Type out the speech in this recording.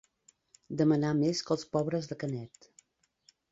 Demanar més que els pobres de Canet.